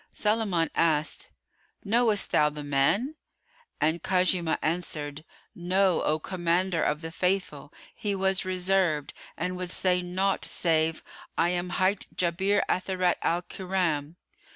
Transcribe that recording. Sulayman asked, "Knowest thou the man?" and Khuzaymah answered, "No, O Commander of the Faithful, he was reserved[FN#105] and would say naught save, 'I am hight Jabir Atharat al Kiram.